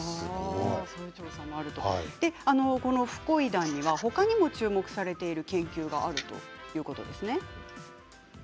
このフコイダンにはほかにも注目されている研究があるということですね。